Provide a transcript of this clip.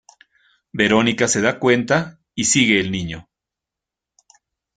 Verónica se da cuenta y sigue el niño.